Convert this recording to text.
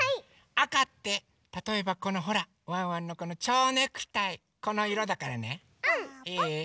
あかってたとえばこのほらワンワンのこのちょうネクタイこのいろだからね。いい？